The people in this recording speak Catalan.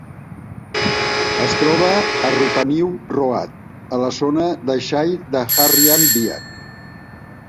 Es troba a Rupanyup Road, a la zona de Shire de Yarriambiack.